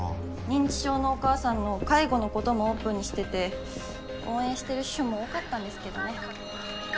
認知症のお母さんの介護のこともオープンにしてて応援してる主婦も多かったんですけどね。